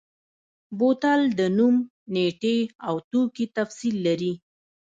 بوتل د نوم، نیټې او توکي تفصیل لري.